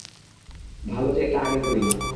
ভালো যে এটা আগে করিনি।